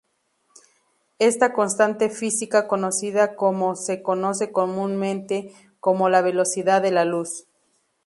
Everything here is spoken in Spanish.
Esta constante física conocida se conoce comúnmente como la velocidad de la luz.